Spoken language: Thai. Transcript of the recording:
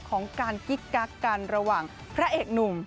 ของการกิ๊กกักกันระหว่างพระเอกหนุ่ม